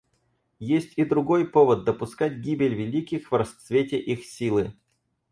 Есть и другой повод допускать гибель великих в расцвете их силы.